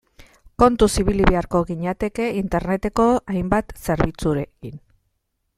Kontuz ibili beharko ginateke Interneteko hainbat zerbitzurekin.